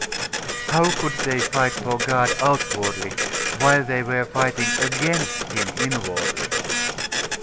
How could they fight for God outwardly, while they were fighting against him inwardly?